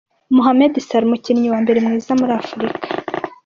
Mohamed Salah, umukinyi wa mbere mwiza muri Afrika.